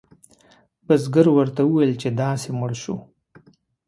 بزګر ورته وویل چې داسې مړ شو.